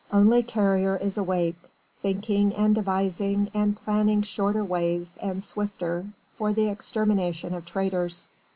Only Carrier is awake thinking and devising and planning shorter ways and swifter, for the extermination of traitors.